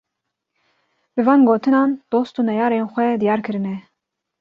Bi van gotinan dost û neyarên xwe diyar kirine